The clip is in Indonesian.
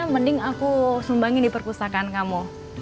mending aku sumbangin di perpustakaan kamu